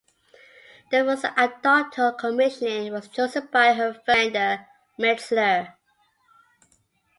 The first, adopted on commissioning, was chosen by her first commander, Metzler.